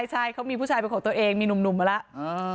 ใช่เขามีผู้ชายเป็นของตัวเองมีหนุ่มมาแล้ว